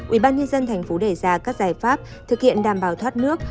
ubnd tp đề ra các giải pháp thực hiện đảm bảo thoát nước